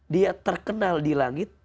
dia terkenal di langit